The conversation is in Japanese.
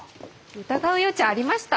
疑う余地ありました？